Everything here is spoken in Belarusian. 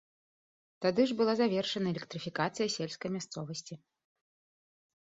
Тады ж была завершана электрыфікацыя сельскай мясцовасці.